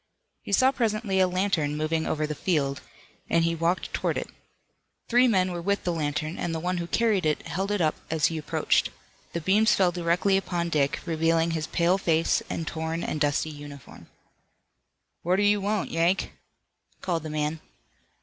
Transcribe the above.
He saw presently a lantern moving over the field, and he walked toward it. Three men were with the lantern, and the one who carried it held it up as he approached. The beams fell directly upon Dick, revealing his pale face and torn and dusty uniform. "What do you want, Yank?" called the man.